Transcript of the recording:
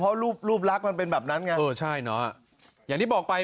เพราะรูปรูปลักษณ์มันเป็นแบบนั้นไงเออใช่เนอะอย่างที่บอกไป